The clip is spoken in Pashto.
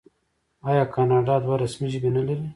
آیا کاناډا دوه رسمي ژبې نلري؟